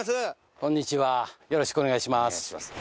よろしくお願いします。